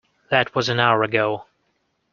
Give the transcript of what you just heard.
That was an hour ago!